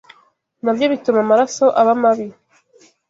na byo bituma amaraso aba mabi